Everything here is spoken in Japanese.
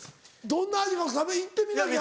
どんな味か食べ行ってみたいな。